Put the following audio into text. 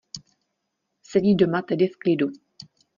Sedí doma tedy v klidu.